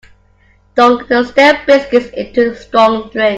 Dunk the stale biscuits into strong drink.